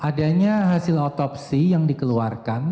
adanya hasil otopsi yang dikeluarkan